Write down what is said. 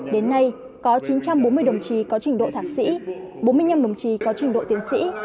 đến nay có chín trăm bốn mươi đồng chí có trình độ thạc sĩ bốn mươi năm đồng chí có trình độ tiến sĩ